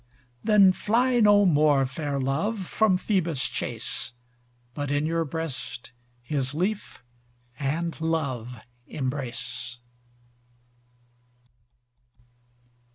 Then fly no more fair love from Phoebus' chace, But in your breast his leaf and love embrace.